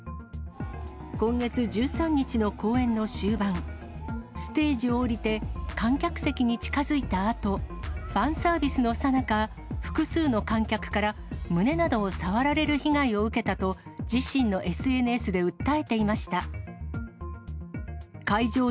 今月１３日の公演の終盤、ステージを下りて、観客席に近づいたあと、ファンサービスのさなか、複数の観客から胸などを触られる被害を受けたと、自身のＳＮＳで訴えていました。